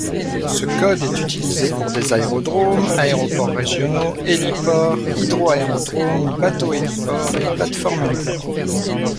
Ce code est utilisé pour des aérodromes, aéroports régionaux, héliports, hydroaérodromes, bateaux-héliports et plates-formes-héliports.